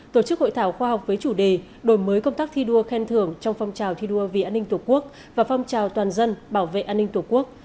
tổ chức hội thảo khoa học với chủ đề đổi mới công tác thi đua khen thưởng trong phong trào thi đua vì an ninh tổ quốc và phong trào toàn dân bảo vệ an ninh tổ quốc